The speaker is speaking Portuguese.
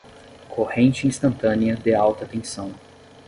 Corrente instantânea de alta tensão